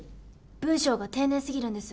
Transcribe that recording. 文章が丁寧すぎるんです。